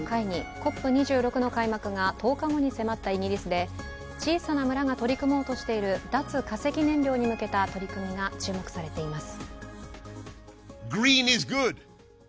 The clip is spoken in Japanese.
ＣＯＰ２６の開幕が１０日後に迫ったイギリスで、小さな村が取り組もうとしている脱化石燃料に向けた取り組みが注目されています。